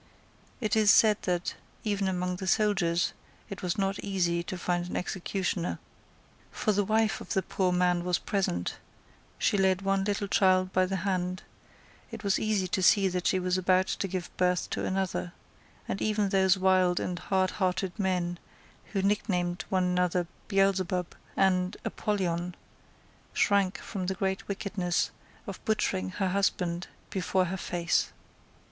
It is said that, even among the soldiers, it was not easy to find an executioner. For the wife of the poor man was present; she led one little child by the hand: it was easy to see that she was about to give birth to another; and even those wild and hardhearted men, who nicknamed one another Beelzebub and Apollyon, shrank from the great wickedness of butchering her husband before her face.